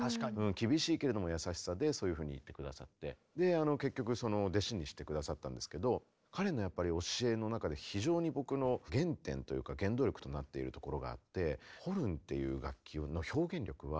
厳しいけれども優しさでそういうふうに言って下さって結局弟子にして下さったんですけど彼のやっぱり教えの中で非常に僕の原点というか原動力となっているところがあって。